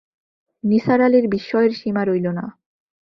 নিসার আলির বিশ্বয়ের সীমা রইল না।